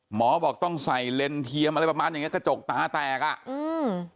หมอบอกต้องใส่เลนส์เทียมอะไรประมาณอย่างเงี้กระจกตาแตกอ่ะอืม